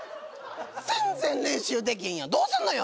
全然練習できへんやんどうすんのよ！